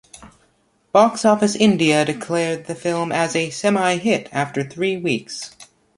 Boxofficeindia declared the film as a "semihit" after three weeks.